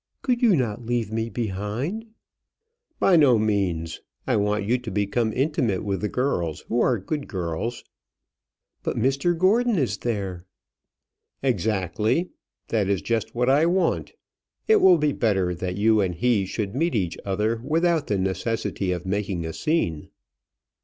"Could you not leave me behind?" "By no means. I want you to become intimate with the girls, who are good girls." "But Mr Gordon is there." "Exactly. That is just what I want. It will be better that you and he should meet each other, without the necessity of making a scene."